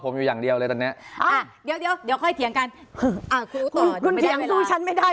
คุณเสียงสู้ฉันไม่ได้